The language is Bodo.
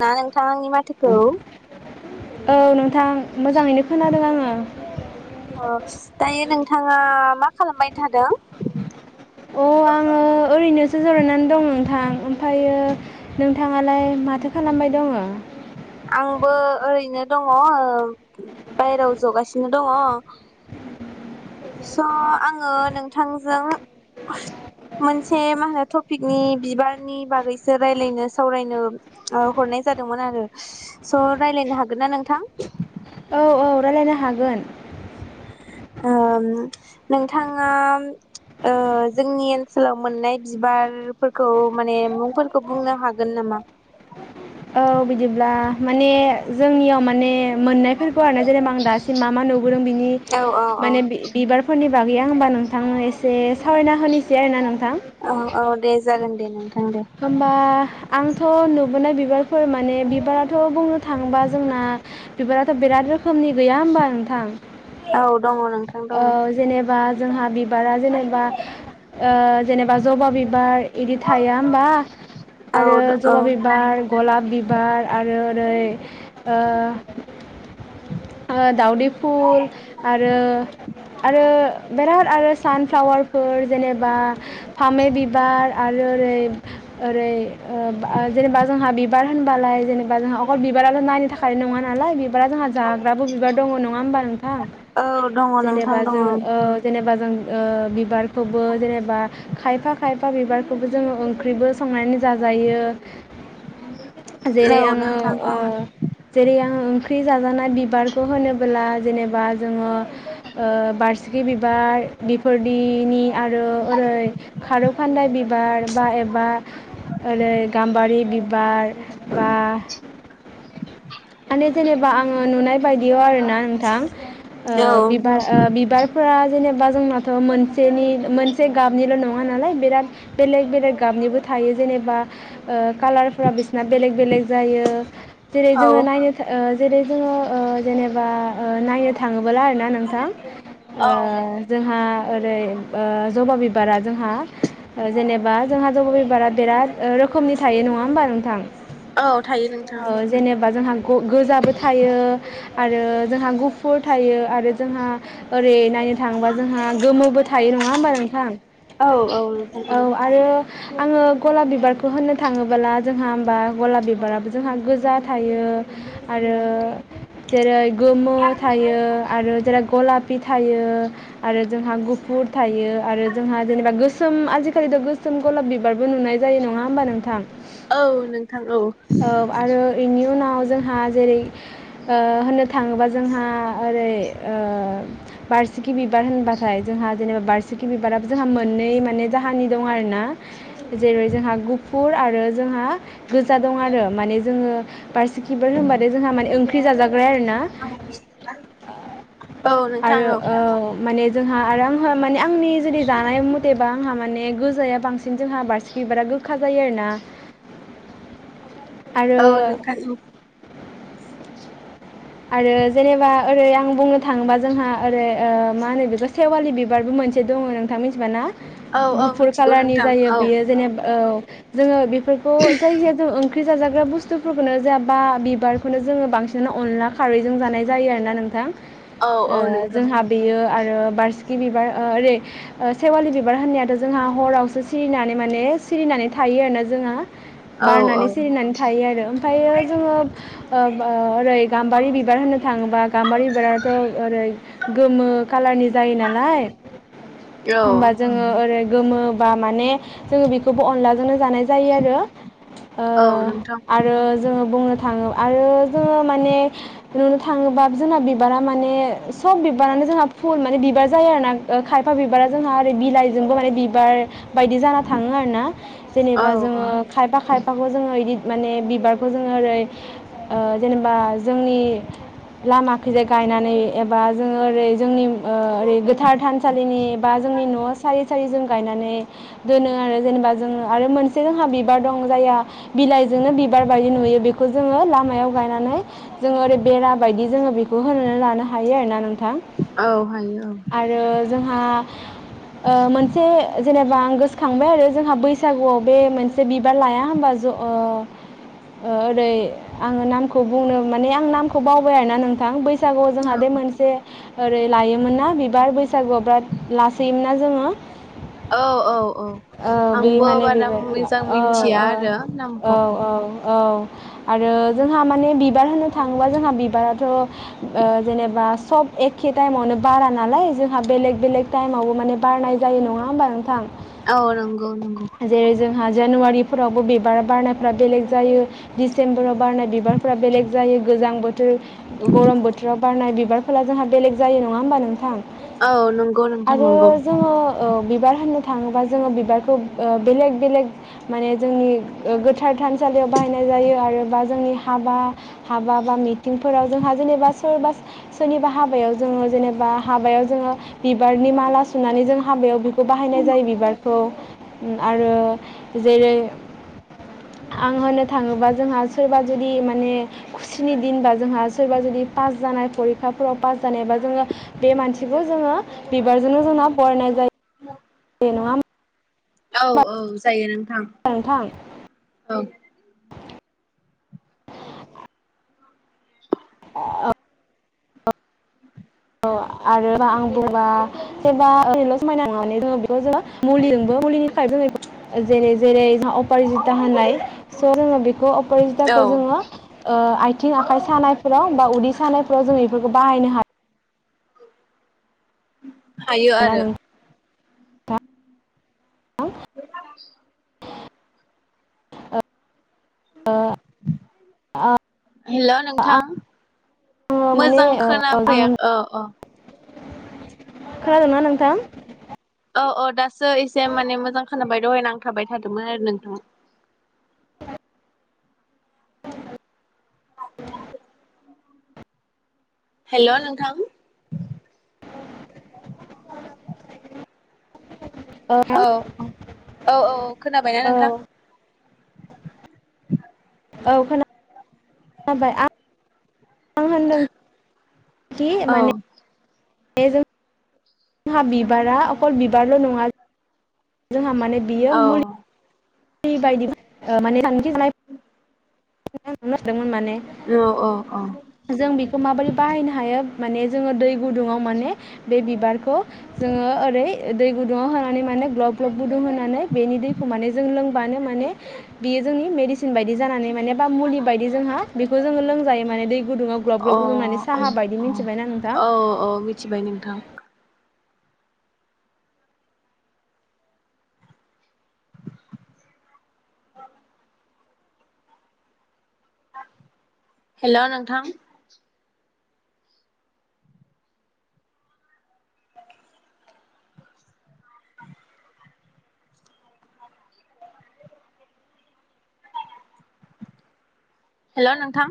ना नोंथां आंनि माथोखौ औ नोंथां मोजाङैनो खोनादों आङो ओ दायो नोंथाङा मा खालामबाय थादों? अ आङो ओरैनोसो जिरायनानै दं नोंथां ओमफ्रायो नोंथाङालाय माथो खालामबाय दङो? आंबो ओरैनो दङ बायेराव जगासिनो दङ स' आङो नोंथांजों मोनसे मा होनो टपिकनि बिबारनि बागैसो रायलायनो सावरायनो हरनाय जादोंमोन आरो स' रायलायनो हागोन ना नोंथां औ औ रायलायनो हागोन ओ नोंथाङा ओ जोंनि ओनसोलाव मोननाय बिबारफोरखौ माने मुंफोरखौ बुंनो हागोन नामा? औ बिदिब्ला माने जोंनियाव माने मोननाय फोरखौ आरोना जेनेबा आं दासिम मा मा नुबोदों बिनि औ औ औ माने बि-बिबारफोरनि [unintelligible] होमबा नोंथां एसे सावरायना होनोसै आरोना नोंथां औ औ दे जागोन दे नों होम्बा आंथ' नु बोनाय बिबारफोर माने बिबाराथ' बुंनो थांबा जोंना बिबाराथ' बिराद रोखोमनि गैया होमबा नोंथां औ दङ नोंथां ओ दङ जेनेबा जोंहा बि बारा जेनेबा ओ जेनेबा जबा बिबार इदि थाया होम्बा औ आरो औ जबा बिबार गलाब बिबार आरो ओरै ओ ओ दाउदै फुल आरो आरो बेराद आरो सानफ्लावारफोर जेने बा फामै बिबार आरो ओरै ओरै ओ जेनेबा जोंहा बिबार होनबालाय जेनेबा जोंहा अखल बिबाराल' नाय [unintelligible] नङा नालाय बा जोंहा जाग्राबो बिबार दङ नङा होमबा नोंथां? [unintelligible] औ दङ ओ नोंथां दङ जेनेबा जों ओ बिबारखौबो जेनेबा खायफा खायफा बिबारखौबो जोङो ओंख्रिबो संनानै जाजायो, जेरै औ आंङो नोंथां ओ औ जेरै आंङो ओंख्रि जाजानाय बिबारखौ होनोबोला जेनेबा जोङो ओ बारसिखि बिबार बिफोरदिनि आरो ओरै खारौ खानदाय बिबार बा एबा ओरै गाम्बारि बिबार बा माने जेनेबा आंङो नुनाय बायदियाव आरोना नोंथां ओ औ बिबार ओ बिबारफोरा जेनेबा जोंनाथ' मोनसेनि मोनसे गाबनिल' नङा नालाय बिराद बेलेग बेलेग गाबनिबो थायो जेनेबा ओ कालारफोरा बिसिना बेलेग बेलेग जायो जेरै औ जोङो नायनो था ओ जेरै जोङो ओ जेनेबा ओ नायनो थाङो बोला आरोना नोंथां औ ओ जोंहा ओरै ओ जबा बिबारा जोंहा ओ जेनेबा जोंहा जबा बिबारा बेराद ओ रोखोमनि थायो नङा होमबा नोंथां थायो नोंथां औ जेनेबा जोंहा ग गोजाबो थायो आरो जोंहा गुफुर थायो आरो जोंहा ओरै नायनो थाङोबा जोंहा गोमोबो थायो नङा होमबा नोंथां औ औ नोंथां औ आरो आंङो गलाब बिबारखौ होननो थाङोबाला जोंहा होमबा गलाब बिबाराबो जोंहा गोजा थायो आरो जेरै गोमो थायो आरो जेरै गलापि थायो आरो जोंहा गुफुर थायो आरो जोंहा जेनेबा गोसोम आजिखालिथ' गोसोम गलाब बिबारबो नुनाय जायो नङा होमबा नोंथां? औ नोंथां औ । बेनि उनाव जोंहा जेरै ओ होननो थाङोबा जोंहा ओरै ओ बारसिखि बिबार होनबाथाय जोंहा जेनेबा बारसिखि बिबाराबो जोंहा मोननै माने जाहाननि दं आरोना जेरै जोंहा गुफुर आरो जोंहा गोजा दं आरो माने जोङो बारसेखि बिबार होनबथाय जोंहा माने ओंख्रि जाजाग्रा आरो ना । औ नोंथां आरो औ ओ माने जोंहा आरो आंहा माने आंनि जुदि जानाय मथेबा आंहा माने गोजाया बांसिन जोंहा बारसिखि बिबारा गोखा जायो आरोना । औ नोंथां औ। आरो जेनेबा ओरै आं बुंनो थाङोबा जोंहा ओरै ओ मा होनो बेखौ सेवालि बिबारबो मोनसे दङ नोंथां मिथिबायना? औ औ गुफुर मिथिगौ खालारनि नोंथां जायो औ बियो जेनेबा औ। जोङो बे फोरखौ जायखिजाया ओं ख्रि जाजाग्रा बुस्थुफोरखौनो जाबा बिबारखौनो जोङो बांसिनानो अनला खारैजों जानाय जायो आरोना नोंथां। औ औ ओ नोंथां जोंहा बेयो आरो बारसिखि बिबार अ ओरै सेवालि बिबार होननायाथ' जोंहा हरावसो सिरिनानै माने सिरिनानै थायो आरोना जोंहा औ बारनानै सिरिनानै थायो आरो ओमफ्रायो जोङो ओ ओरै गा म्बारि बिबार होननो थाङोबा गाम्बारि बिबाराथ' ओरै गोमो कालारनि जायो नालाय होमबा जोङो ओरै गोमो बा माने जोङो बेखौबो अनलाजोंनो जानाय जायो आरो ओ औ नोंथां आरो जोङो बुंनो थाङो आरो जोङो माने नुनो थाङोबा जोंना बिबारा माने सोब बिबारानो जोंहा फुल माने बिबार जाया आरोना खायफा बिबारा जोंहा ओरै बिलाइजोंबो माने बिबार बायदि जाना थाङो आरो ना। औ जेनेबा औ जोङो खायफा खाय फाखौ जोङो बिदि माने बिबारखौ जोङो ओरै ओ जेनेबा जोंनि लामाखैजाय गायनानै एबा जोङो ओरै जोंनि ओ ओरै गोथार थानसालिनि बा जोंनि न' सारि सारि जों गायनानै दोनो आरो जेनेबा जोङो आरो मोनसे जोंहा बिबार दं जायहा बिलाइजोंनो बिबार बायदि नुयो बे खौ जोङो लामायाव गायनानै जोङो ओरै बेरा बायदि जोङो बेखौ होनानै लाना लानो हायो आरोना नों औ हायो औ जोंहा ओ मोनसे जेने बा आं गोसोखांदो आरो जोंहा बैसागुआव बे मोनसे बिबार लाया होमबा जों ओ ओ ओरै आङो नामखौ बुंनो माने आं नामखौ बावबाय आरोना नोंथां बै सागुआव जोंहा बे मोनसे ओरै लायोमोन ना बिबार बैसागुआव ब्राद लासोयोमोनना जोङो औ औ औ ओ बे आंबो माने बारा बेबाय मोजां औ मिथिया औ आरो औ नामखौ औ औ आरो जोंहा माने बि बार होननो थाङोबा जोंहा बिबाराथ' ओ जेनेबा सब एखे टाइमावनो बारा नालाय जोंहा बेलेग बेलेग टाइमावबो माने बारनाय जायो। नङा होमबा नोंथां? औ नंगौ नंगौ। जेरै जोंहा जानुवारिफोरावबो बिबार बारनायफ्रा बेलेग जायो। दिसेम्बराव बारनाय बिबारफोरा बेलेग गोजां बो थोर गरम बोथोराव बारनाय बि बारफोरा जोंहा बेलेग जायो। नङा होमबा नोंथां? औ नंगौ नोंथां आरो नंगौ जोङो ओ बिबार फाननो थाङोबा जोङो बिबारखौ ओ बेलेग बेलेग माने जोंनि ओ गोथार थान सालि बाहायनाय जायो आरो बा जोंनि हाबा हाबा बा मिटिंफोराव जोंहा जेनेबा सोरबा सोरनिबा हाबायाव जोङो जेनेबा हाबायाव जोङो बिबारनि माला सुनानै जों हाबायाव बेखौ बाहायनाय जायो बिबार [unintelligible] आरो जेरै आं होननो थाङोबा जोंहा सोरबा जुदि माने खुसिनि दिनबा जोंहा सोरबा जुदि पास जानाय फरिखाफोराव पास जानायबा जोङो बे मानसिखौ जोङो बिबारजोंनो जों बरायनाय जायो। [unintelligible] औ औ जायो [unintelligible] नोंथां [unintelligible] औ [inaudible] [unintelligible] [unintelligible] जेरै जेरै जों अपारिजिथा होनाय स' जोङो बेखौ अपरजिथाखौ औ जोङो ओ आथिं आखाइ सानाय [unintelligible] बा उदै सानायफोराव जों इफोरखौ बाहायनो हा [inaudible] हायो ना आरो नोंथां [unintelligible] [unintelligible] हेल' नोंथां। आङो माने मोजां खोनाफैया आङो औ अ खोनादों ना नोंथां? औ अ दास सो एसे माने मो [unintelligible] थादोंमोन आरो नोंथां। हेल' नोंथां। [inaudible] औ औ औ औ खोनाबायना औ नोंथां? औ खोना खोनांबाय आं आं होनदों [unintelligible] औ माने [unintelligible] जोंहा बिबारा अकल बिबारल' नङा जोंहा माने बियो औ मुल बायदि माने [unintelligible] [unintelligible] [unintelligible] दोंमोन माने औ औ औ जों बेखौ माबोरै बाहायनो हायो माने जोङो दै गुदुङाव माने बे बिबारखौ जोङो ओरै दै गुदुङाव होनानै माने ग्लब ग्लब गुदुं होनानै बेनि दैखौ माने जों लोंबानो माने बेयो जोंनि मेडिसिन बायदि जाना बा मुलि बायदि जोंहा बेखौ जोङो लोंजायो माने दै गुदुङाव ग्लब ग्लब अ गुदुंनानै साहा बायदि मिथिबायना नोंथां औ औ औ मिथिबाय नोंथां। [inaudible] हेल' नोंथां हेल' नोंथां